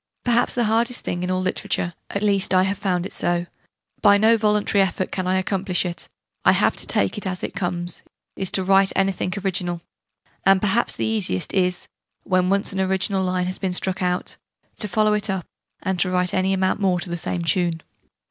Perhaps the hardest thing in all literature at least I have found it so: by no voluntary effort can I accomplish it: I have to take it as it come's is to write anything original. And perhaps the easiest is, when once an original line has been struck out, to follow it up, and to write any amount more to the same tune.